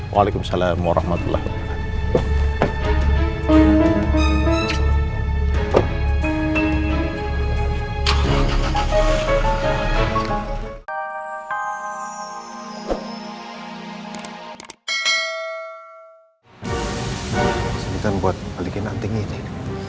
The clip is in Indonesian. waalaikumsalam warahmatullahi wabarakatuh